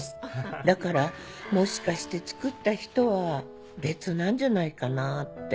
だからもしかして作った人は別なんじゃないかなって。